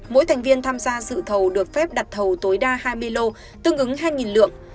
mỗi thành viên tham gia dự thầu được phép đặt thầu tối đa hai mươi lô tương ứng hai lượng